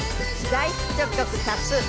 大ヒット曲多数。